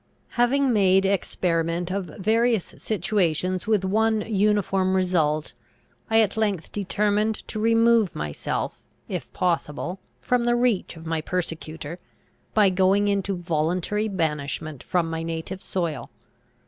Having made experiment of various situations with one uniform result, I at length determined to remove myself, if possible, from the reach of my persecutor, by going into voluntary banishment from my native soil.